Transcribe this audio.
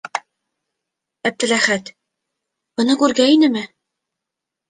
Әптеләхәт... быны күргәйнеме?